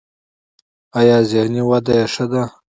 ایا ذهني وده یې ښه ده؟